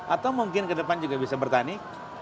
atau mungkin ke depan juga bisa bertani